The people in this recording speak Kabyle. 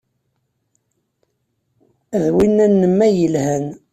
D winna-nnem ay yelhan.